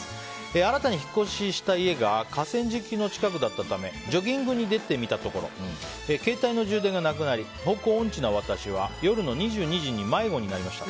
新たに引っ越しした家が河川敷の近くだったためジョギングに出てみたところ携帯の充電がなくなり方向音痴の私は夜の２２時に迷子になりました。